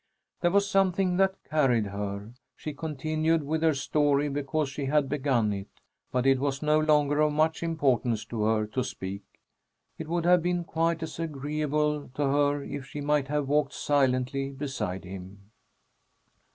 There was something that carried her. She continued with her story because she had begun it, but it was no longer of much importance to her to speak. It would have been quite as agreeable to her if she might have walked silently beside him.